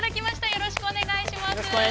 ◆よろしくお願いします。